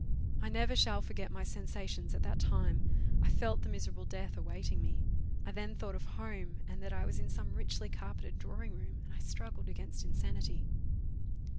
I never shall forget my sensations at that time. I felt the miserable death awaiting nis. I then thought of home, and that I was in some richly carpeted drawiug roorn r and I struggled against insanity.